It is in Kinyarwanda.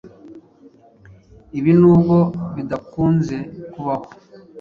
Ibi nubwo bidakunze kubaho